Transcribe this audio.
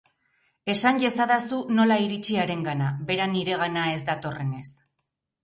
Esan iezadazu nola iritsi harengana, bera niregana ez datorrenez!